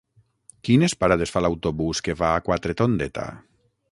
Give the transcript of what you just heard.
Quines parades fa l'autobús que va a Quatretondeta?